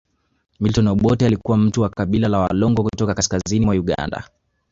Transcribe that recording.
Milton Obote alikuwa mtu wa Kabila la Walango kutoka kaskazini mwa Uganda